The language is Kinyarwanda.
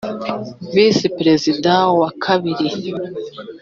visi perizida wa kabiri